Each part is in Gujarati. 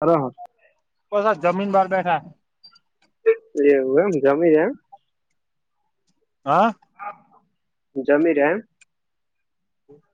અરે હા. બસ આ જમીન બાર બેઠા. એવું એમ જમી રયા એમ. હા. જમી રયા એમ.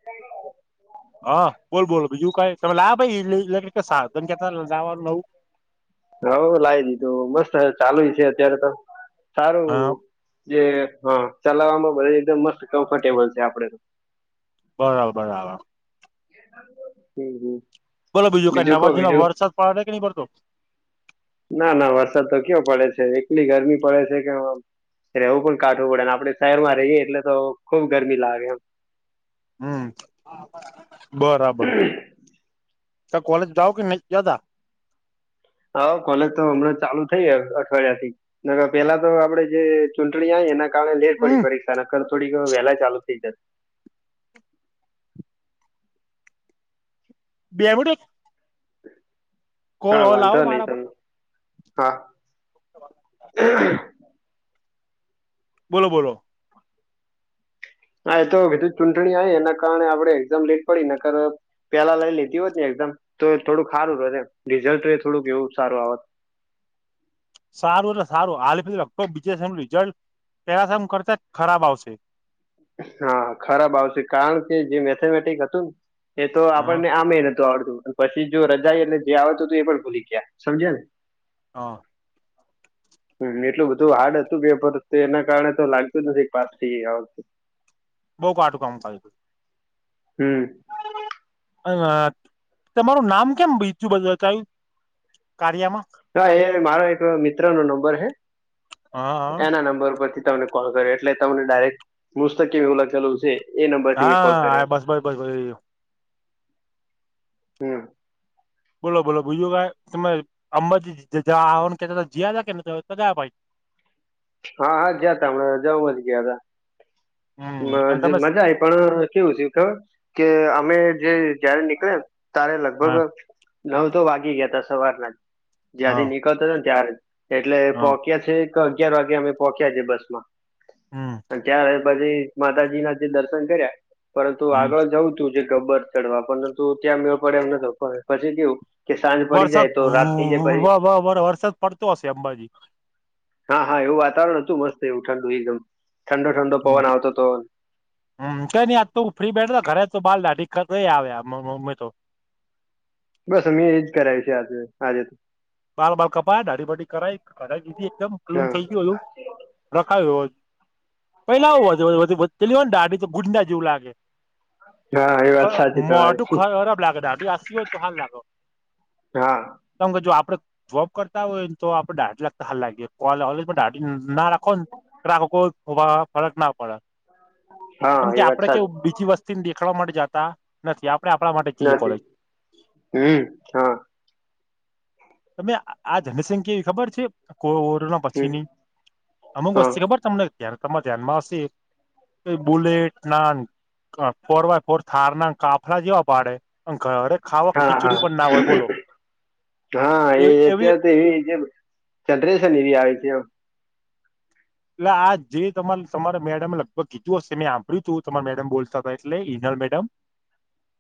[unintelligible] હા બોલ બોલો બીજું કઈ તમે લાયા ભાઈ [unintelligible] લાવવાનું નવું. હવ લાવી દીધું મસ્ત ચાલુ છે, અત્યારે તો સારું. હા જે હા ચલાવવામાં બધી રીતે એકદમ મસ્ત કમ્ફર્ટેબલ છે, આપડે તો. બરાબર બરાબર હમ્મ હમ્મ. બોલો બીજું કઈ નવા જુના વરસાદ પડે કે નહીં પડતો. ના ના વરસાદ તો કયો પડે છે એકલી ગરમી પડે છે કે આ રેવું પણ કાઢવું પડેને આપણે શહેરમાં રહીએ એટલે તો ખુબ ગરમી લાગે એમ. હમ્મ બરાબર ત કોલેજ જાઓ કે નહી જાતા. હા કોલેજ તો હમણાં ચાલુ થઈ હે અઠવાડિયાથી. ના પેલા તો આપડે જે ચૂંટણી આવી એના. કારણે લેટ હમ પડી પરીક્ષા ન કર થોડીક વહેલા ચાલુ થઈ જત. [unintelligible] કોલ હા આવો વાંધો નહી મારા પર તમે [inaudible] હા. બોલો બોલો. હા એ તો બીધું ચૂંટણી આવી એના કારણે આપડણે એક્ઝામ લેટ પડીને નકર પેલા લઈ લીધી હોતને એક્ઝામ તો થોડુંક સારું રોત એમ રિઝલ્ટ થોડુંક એવું સારું આવત સારું એટલે સારું હાલ લગભગ બીજા સેમ નું રિઝલ્ટ પેલા સેમ કરતા ખરાબ આવશે. હા ખરાબ આવશે કારણ કે જે મેથેમેટિક હતું ન એ તો હા આપણને આમે નતું આવડતું પછી જો રજા એટને જે આવડતું તો એ પણ ભૂલી ગયા સમજયો ને હા. હ [unintelligible] હ એટલું બધું હાર્ડ હતું પેપર એના કારણે તો લાગતું નથી પાછથી વખતું બઉુ કાટું કામ કર્યું હતું હમ્મ. અ તમારું નામ કેમ બીજું બતાયુ કારિયામાં હા એ મારો એક મિત્ર નો નંબર છે હા હા એના નંબર પરથી તને કોલ કર્યો એટલે તમને ડાયરેક મુસ્તક એવું લખેલું હશે. એ નંબરથી મેં કોલ હા કર્યા [inaudible] બસ બસ બસ હમ્મ. બોલો બોલો બીજું કાઇ તમે અંબાજીને જાવાનું જયા કે નતા ગયા ભાઈ. હા હા ગયા તા હમણાં રજાઓ માં જ ગયા તા હમ અને તમે મજા આય પણ કેવું થયું ખબર કે અમે જે જયારે નીકળયા ત્યારે હા લગભગ નવ તો વાગી ગયા તો સવારના હા જ્યાંથી ની ને ત્યારે એટલે હા પોહક્યા છે એક અગિયાર વાગે અમે પોક્યા સે બસ માં હમ ત્યારે પછી માતાજી ના જે દર્શન કર્યા પરંતુ હમ આગળ જવું તું જે ગબ્બર ચડવા પર તું ત્યાં મેળ પડે એમ ન તો પછી પણ પછી કેવુ. વરસાદ વા વ વરસાદ પડતો હશે અંબાજી હા હા એવું વાતાવરણ હતું મસ્ત એવું ઠંડુ એકદમ ઠંડો ઠંડો હમ પવન આવતો હતો હમ કઈ નઈ આજ તું ફ્રી બેઠ ઘરે તો બલ દાઢઈ મમ્મી તો બસ અમે એજ કરાવી છે આજે આજે તો બાર બાર કપાય ડાઢડીબઢ કરાયીધી એકદમ ક્લીન હા થઈ ગયું એલું રખાય પેલા આવું પેલી હો ને દાડી તો ગુંજના જેવું લાગે હા એ વાત ખ સાચી મોટું ખ તમારી ખરાબ લાગે દાઢ આસ હો તો હાલ લાગો હા કેમ કે જો આપડે જોબ કરતા હોય ને તો આપણે દાઢ લાગતા હાલ લાગીએલેાઢ ના રાખો ને કેવા ફરક ના પડે હા કેમ કે એ વાત આપડે કેવ સાચી બીજી વસ્તીને દેખાડવા માટે જતા નથી આપડે આપણા માટે જઈએ નથી કોલેજ હમ હા તમે આ જનસંખ્યા એવી ખબર છે કો પછી હમ નહી અમુક હા વસ્તી ખબર તમને ધ્યા તમારે ધ્યાનમાં આવશે બુલેટ ના ફોર બાય ફોર થાર ના કાફલા જેવા પાડે અંક અરે ખાવા હા ખીચડી હા પણ ના હોય બોલો હા એ અત્યારે તો એવી જે ચનરેશન એવી આવે છે એટલે આ જે તમારે તમારે મેડમમે લગભગ કીધું હશે મેં સાંભળ્યું તું તમારા મેડમ બોલતા હતા એટલે ઈનલ મેડમ [inaudible]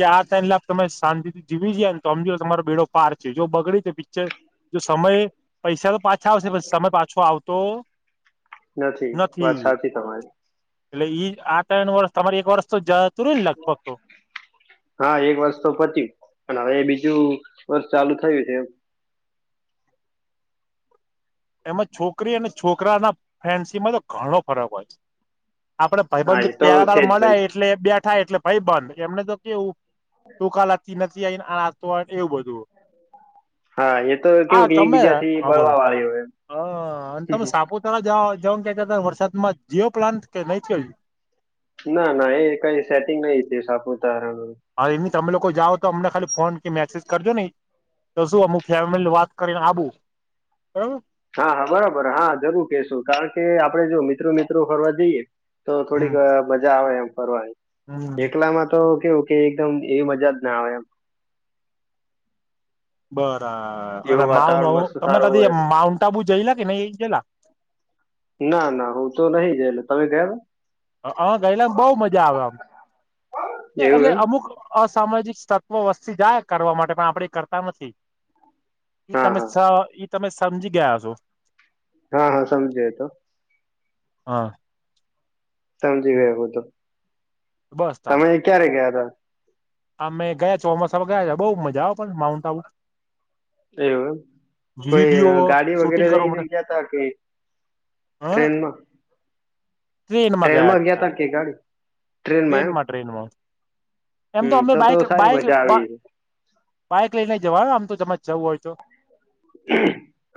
કે આ ટ લાફ તમે શાંતિથી જીવી જાય ને તો સમજ તમારો બેડો ફાર છે જો બગડી છે પિક્ચર જો સમય પૈસા તો પાછા આવશે પ સમય પાછો આવતો નથી વાત સાચી તમારી એટલે ઈ આ તય્ન વર્ષ તમારે એક વર્ષ તો જતું રયુ ને લગભગ તો? હા એક વર્ષ તો પત્યું, પણ હવે બીજું વર્ષ ચાલુ થયું છે એમ. એમાં છોકરી અને છોકરા ના ફેન્સીમાં તો ઘણો ફરક હોય છે. આપડે હા એ તો છે ભાઈબંધ [unintelligible] જ મલે ભાઈ એટલે બેઠા એટલે ભાઈબંધ, એમને તો કેવું ટૂંકા લાગતી નથી [unintelligible] એવું બધું. હા. એ તો હા કેવું કે તમે એકબીજા થી હા બોલો બળવા વાળી હોય એમ. હા. અન તમે સાપુતારા જા જાવાનું કેતા તા વરસાદ માં, થયો પ્લાન કે નહીં થયો હજી? ના, ના એ કાઈ સેટિંગ નહી થયું સાપુતારાનું. હા એની તમે લોકો જાઓ તો અમને ખાલી ફોન કે મેસેજ કરજો નેઈ. તો શું અમુક ફેમિલીને વાત કરીને આબું [unintelligible] હા બરાબર હા, જરૂર કેશું, કારણ કે આપડે જો મિત્રો-મિત્રો ફરવા જઈએ તો હમ થોડીક મજા આવે એમ ફરવાની, હમ એકલા માં તો કેવુંક કે એકદમ એવી મજા જ ના આવે એમ. બરા, અને એવું માઉ વાતાવરણ અન, મસ્ત તમે સારું કદી હોય માઉન્ટ આબુ જયેલા કે નઈ એ જયેલા? ના, ના હું તો નહીં જયેલો, તમે ગયા તા? અહં ગયેલાન બહું મજા આવે આમ, હતા એટલે એવું એમ અમુક અસામાજિક તત્વો વસ્તી જાય કરવા માટે પણ આપડે એ કરતા નથી. ઈ હા તમે હા સ ઈ તમે સમજી ગયા હશો. હા, હા સમજાય એ તો. હા. સમજી ગયો હું તો. બસ તાને તમે ક્યારે ગયા તા? અમે ગયા ચોમાસામાં ગયા તા, બઉ મજા આવે પણ માઉન્ટ આબુ. એવું એમ. કોઈ વિડીયો ગાડી શૂટિંગ વગેરે કરવા માટે લઈને ગયા તા કે હ ટ્રેનમાં? ટ્રેનમાં ગયા તા કે ગાડી? ટ્રેનમાં એમ? એમ તો હમ અમે સારી બાઈક-બાઈક મજા બા, આવી બાઈક લઈને જવાનું આમ તો તમે જવું હોય તો.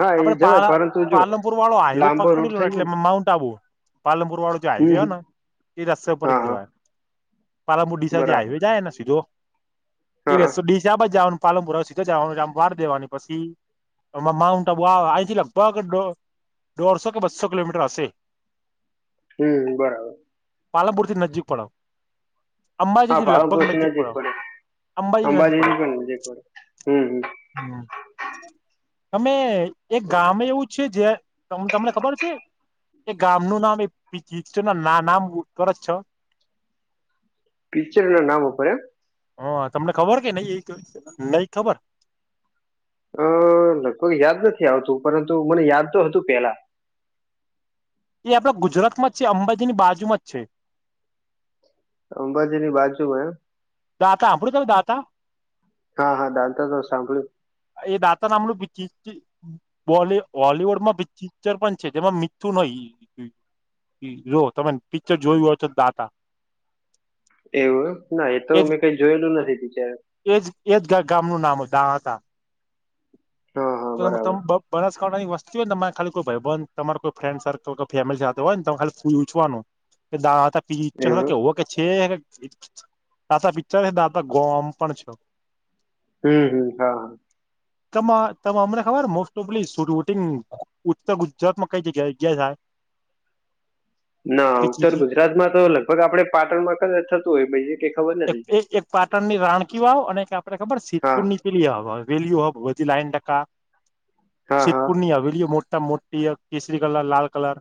હા એ આપડે જવાય પાલે પરંતુ જો પાલનપુર વાળો હાઈવે લાંબો પકડી રૂટ લો થઈ ને જાય એટલે માઉન્ટ આબુ. પાલનપુર વાળો જે હાઈવે હમ હો ના, ઈ રસ્તા પર હા જ હા જવાય, પાલનપુર ડીસાન જે બરાબર હાઈવે જાયને સીધો, ઈ હા હા રસ્તો ડીશા બા જાવાનું પાલનપુરા આવે સીધે જવાનું, આમ વાડ દેવાની પછી આમાં માઉન્ટ આબુ આવે, આહીંથી લગભગ દોઢ, દોઢસો કે બસો કિલોમીટર હશે. હમ્મ, બરાબર. પાલનપુરથી નજીક પડો, અંબાજીથી લગ [unintelligible] નજીક પડે, અંબાજીથી ભી નજીક પડે, હમ્મ-હમ્મ. હમ્મ. તમે એક ગામે એવું છે જે તમ તમને ખબર છે? એ ગામ નું નામ એ [unintelligible] ના નામ ઉપર જ છ. પિક્ચર ના નામ ઉપર એમ? હા તમને ખબર કે નઈ ઈ, નઈ ખબર? અહ લગભગ યાદ નથી આવતું, પરંતુ મને યાદ તો હતું પેલા. ઈ આપણા ગુજરાતમાં જ છે, અંબાજી ની બાજુમાં જ છે. અંબાજી ની બાજમાં એમ? દાતા હાભળું તમે દાતા? હા, હા દાતા તો સાંભળ્યું. એ દાતા નામનું [unintelligible] બ હોલીવુડ માં પિક્ચર પણ છે જેમાં મિથુ નય જો તમે પિક્ચર જોયું હો છ દાતા એવું ના એ તો એજ મેં કઈ જોયેલું નથી બિચાર એજ એજ ગ ગામ નું નામ [unintelligible] હા હા બરાબર [unintelligible] બનાસકાંઠાની વસ્તી હોય ને એમા કોઈ ખાલી ભાઈબન, તમારું કોઈ ફ્રેન્ડ સર્કલ, કે ફેમિલી સાથે હોય ને તો ખાલી પૂછવાનું. કે દાતા પિક્ચહ એવું કે હોકે છે, અને દાતા પિક્ચર હેન, દાતા ગોમ પણ છો. હમ હમ હાા તમા ત અમને ખબર મોસ્ટ ઓફલીટંગ ઉત્તર ગુજરાતમાં કઈ જગ્યા જગ્યા થાય ના ઉત્તર પી ગુજરાતમાં તો લગભગ આપડે પાટણમાં ક થતું હોય પછ એક એક પાટણ ની રાણકી વાવ અને એક આપડણે ખબર છે હા સિદ્પુર ની હ હવેેલીઓ હબ વધધી લાન ટકા હા હા સતપૂરની હવેલીઓ મોટા મોટ પય તીસરી કલર લાલ કલર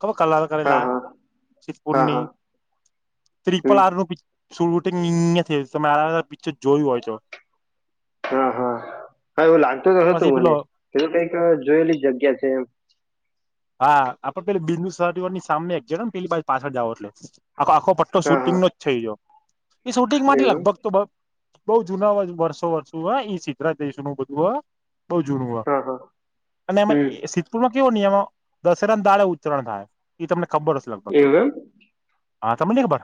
ખબર કલર હા કરેલા હા હા શપુની હા હમ ત્રિપલારનું પ શૂટુટિંગ યા થઈ તમે આરા બધા પિક્ચર જોયું હોય છો હા હા હા એવું લાગતું તોતું પછી પેલો મને એ કઈક જોયેલી જગ્યા છે એમ હા આપડે પે બિુ સર ની સામને એક ગ ને પેલી પાછ પાછળ જાાવ એટલે આો આખો પટ્ટો હા શૂટિંગ હા નો જ થઈ જો એ શૂટિંગ માટે એવું લગભગ તો બઉ જુના વર્ષો વર્ષુ હ ઈ સીધરાા જઈશું નું બધું હા બઉ જૂનું એમ હા હા અને એમાં હમ સિદ્ધપુરમાં કેવો નહી એમાં દશેરાને દાળે ઉચ્રણ થાય ઈ તમને ખબર હ છે લગભગ એવું એમ હા તમને નઈ ખબર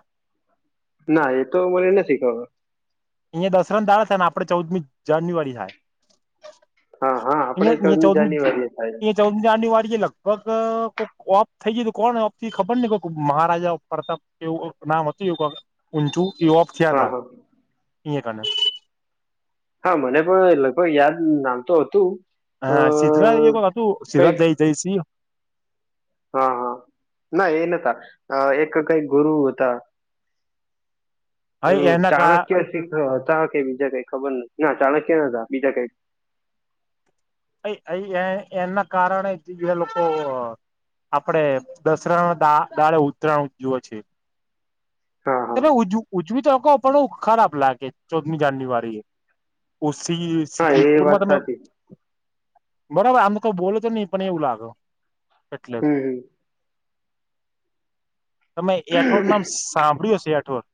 ના એ તો મને નથી શીખવા અહિયાયા દસરા તાાર છે ને આપડે ચૌદમી જાન્યુઆરી થાય હા હા આપડે અ ચૌદમી જાન્યુઆરી થાય છે. ચૌદમીયા ચૌદમી જની વાળી અલગ લગભગ કોઈ ઓપ થઈ ગય કોણ ઓપ થી ખબર કોઈ મહારાજા પ્રતાપ એવું નામ હતું ઊંચુ યુપ હા હા ક હા મને પણ લગભગ યાદ નામ તો હતું અ હા સીધરા એ વાત હતું સીધા કઈક જઈ જઈશ હા હા ના એ નતા એક કઈ ગુરુ હતા હા એના કા ચાણક્ય શીખ હતા કે બીજા કઈ ખબર નથી ના ચાણક્ય નતા બીજા કઈ અ એ એના કારણેજ એ લોકો આપડે દસરાા દાળે ઉત્તરાયણ જુએ છેએ હા હા એ ઉજવી તકો પણ ખરાબ લાગે ચૌદમી જાન્યુઆરી ઓ સ હા એ વાત સપરમાં તમે સાચી બરોબર આમ તો કઈ બોલો નહી પણ એવું લાગે એટલે. હમ હમ તમે એઠોર નામ સાંભળ્યું છે એઠોર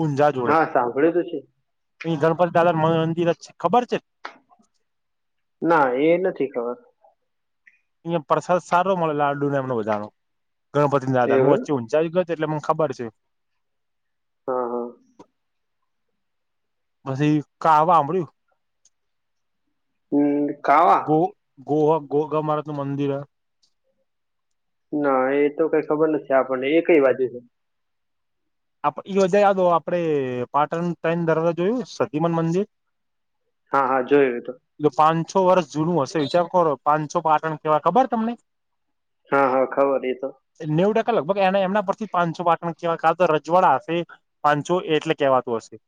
ઊંઝા જોડે હા સાંભળ્યું તો છે અ ગણપતિ ડાર મ મંદિર જ છે ખબર છે ના એ નથી ખબર અયા પ્રસાદ સારો મળે લાડુ નેમને બજાનો ગણપતિ ના આધારું એવું વચ્ચી જઈ ગત એટલે મને ખબર છે હા હા પછી ઘા વાભળ્યું હમ કાવા ગ ગોવા ગોગા મહારાજ નું મંદિર હ ના એ તો કઈ ખબર નથી આપણને એ કઈ બાજુ છે [unintelligible] આપડે પાટણ ત્રણ દરવાજા જોયું સતીમાન મંદિર હા હા જોયું એતો પાંછો વર્ષ જૂનું હશે વિચાર કરો પાંછો પાટણ કેવાય ખબર તમને હા હા ખબર એ તો નેવ ટકા લગભગ એના એમના પરથી પાંસો વાટણ કેવા કા ર જવાળ હશે પાંચસો એટલે કેવાતું હશે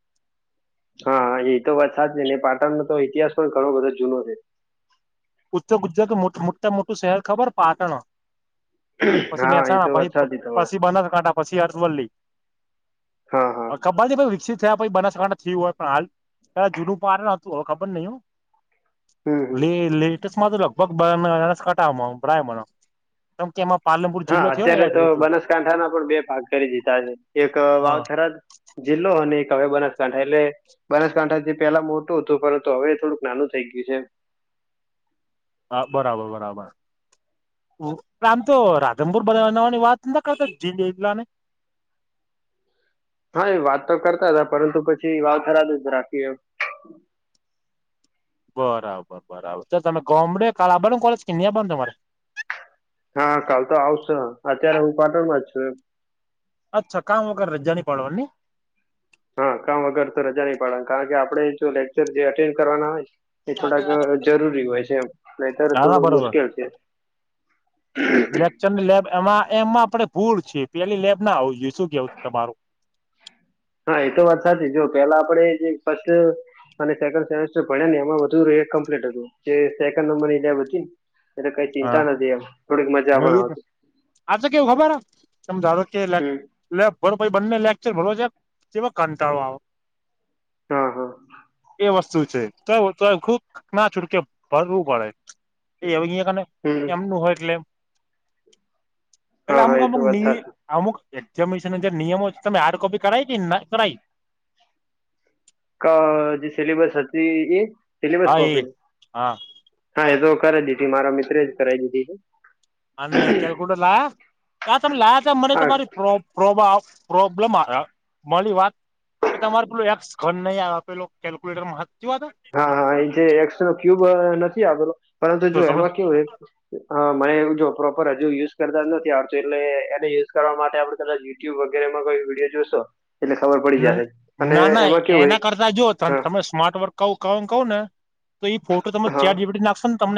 હા એ તો વાત સાચ છે ને પાટણનો તો ઇતિહાસ પણ ઘણો બધો જૂનો છે ઉત્ ગુજરાત મોટા મોટું શહેર ખબર પાટણ પછી હા એ મેસા તો પછી વાત સાચી તમારે પછી બંધ જ કાંટા. પછી હા હા આથવલ્લી [unintelligible] વિકસિત બનાસકાથા થયું હોય પણ હાલ જુનું પાર ન હતું હવે ખબર નય હો હમ હમ લ લેટેસમાં તો લગભગ [unintelligible] [unintelligible] હા ને અત્યારે એડ તો એટલે બનાસકાંઠા ના પણ બે ભાગ કરી દીધા છે એક હા વાવ થરાદ જિલ્લો અને એક હવે બનાસકાંઠા એટલે બનાસકાંઠા જે પેલા મોટું હતું પરંતુ હવે થોડુંક નાનું થઇ ગયું છે. હા બરાબર બરાબર આમ તો રાધનપુર બધવા જવાની વાત ના કરતા જી જલા ને હા એ વાત તો કરતા હતા પરંતુ પછી વાવ થરાદ જ રાખ્યું એમ બરાબર બરાબર તો તમે ગોમડે [unintelligible] તમારે હા કાલ તો આવશ અત્યારે હું પાટણ માં જ છું. અચ્છા કામ વગર રજાની પાડવાની હા કામ વગર તો રજા નહી પાડવાની કારણ કે આપણે જો લેક્ચર જે એટેન્ડ કરવાના હોય એ થોડાક હા જરૂરી હોય છે નયતર ના થોડુંક બરોબર મુશ્કેલ છે. [inaudible] લેકચરની લેબ એમાં એમાં આપડે ભૂલ છે પેલી લેબ ના હોવી જોઈએ શું કેવું તમારું હા એ તો વાત સાચી જો પેલા આપડે જે ફસ્ટ અને સેકન્ સેમેસ્ટર ભણ્યા ને એમાં બધું રે કમ્પ્લિટ હતું જે સેકન્ડ નંબરની લેબ હતી ને એટલે કઈ હા ચિંતા નથી એમ થોડીક મજા પણ આવતી. આતો કેવું ખબર હ તમે ધારોકે હમ લેબ ભરો પહિ બંને લેક્ચર ભરોજે ચેવા કંટાળો આવ હા હા એ વસ્તુ છે તો તો ખુક ના છૂટકે ભરવું પડે એવ અયાને હમ એમનું હોય એટલે એમ એટલે હા હા અમુક એ તો અમુક વાત સાચી અમુક એક્ઝામિનેશન જે નિયમો તમે હાર્ડ કોપી કરાવી કે ના કરાઈ ક જે સિલેબસ હતી એ સિલેબસ હા એ કોપી હા હા એ તો કરે દીધી મારા મિત્રએ જ કરાઈ દીધી છે. અને કેલ્ક્યુલેટર લાયા આ તમે લાયા મને હા તમારી પ્રોબા પ્રોબ્લેમ આયા મળી વાત કે તમારે પેલું એક્સ ઘન નહી આવે પેલુ કેલ્ક્યુલેટર માં હાચી વાત હ હા હા એ જે એક્સ નો ક્યુબ નથી આપેલો હે પરંતુ તો જો તમે એમાં કેવું હોય હા મને એમ જો પ્રોપર હજુ યુઝ કરતા નથી આવડતું એટલે એને યુઝ કરવા માટે આપણે યુટ્યુબ વગેરેમાં કોઈ વિડીયો જોશો એટલે ખબર પડી ન જાહે અને ના ના એમાં કેવું હોય એના કરતા જો તમ હા તમે સ્માર્ટ વર્ક કહું કમ કહું ને તો એ ફોટો તમે હા ચેટ જી પી ટી નાખશો ને તમને